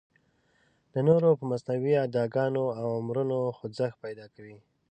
د نورو په مصنوعي اداګانو او امرونو خوځښت پیدا کوي.